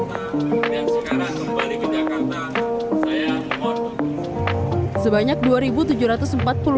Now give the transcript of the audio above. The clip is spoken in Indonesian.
dan sekarang kembali ke jakarta saya umur